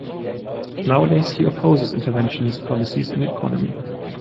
Nowadays, he opposes interventionist policies in economy.